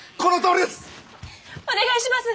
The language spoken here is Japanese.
お願いします！